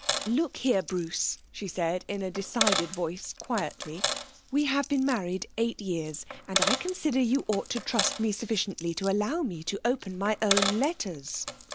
'Look here Bruce,' she said, in a decided voice, quietly. 'We have been married eight years, and I consider you ought to trust me sufficiently to allow me to open my own letters.'